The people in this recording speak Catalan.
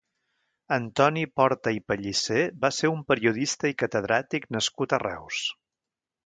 Antoni Porta i Pallissé va ser un periodista i catedràtic nascut a Reus.